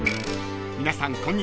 ［皆さんこんにちは